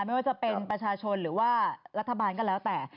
ไม่ว่าจะเป็นประชาชนหรือว่ารัฐบาลก็แล้วแต่